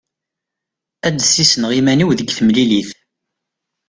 Ad d-ssisneɣ iman-iw deg temlilit.